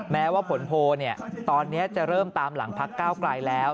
แม้ว่าผลโพลตอนนี้จะเริ่มตามหลังพักก้าวไกลแล้ว